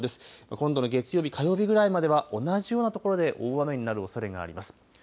今度の月曜日、火曜日ぐらいまでは同じような所で大雨になるおそれがあります。